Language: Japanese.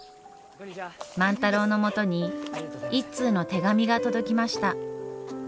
万太郎のもとに一通の手紙が届きました。